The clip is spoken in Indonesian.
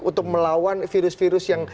untuk melawan virus virus yang